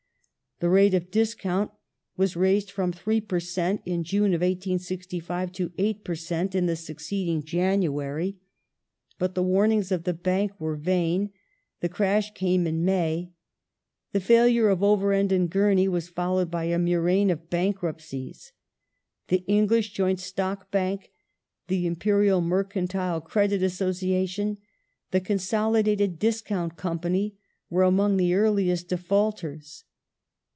The rate of discount was raised from 3 per cent, in June, 1865, to 8 per cent, in the succeeding January. But the warnings of the Bank were vain ; the crash came in May. The failure of Over end & Gurney was followed by a murrain of bankruptcies. The English Joint Stock Bank ; the Imperial Mercantile Credit Association ; the Consolidated Discount Company were among the earliest defaulters.